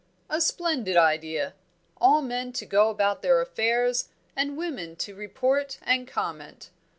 "A splendid idea! All men to go about their affairs and women to report and comment.